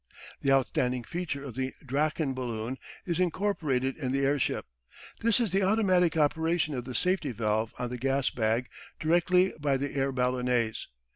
The outstanding feature of the "Drachen Balloon" is incorporated in the airship. This is the automatic operation of the safety valve on the gas bag directly by the air ballonets.